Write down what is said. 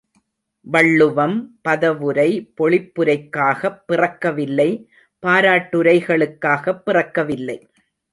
வள்ளுவம், பதவுரை, பொழிப்புரைக்காகப் பிறக்கவில்லை பாராட்டுரைகளுக்காகப் பிறக்க வில்லை.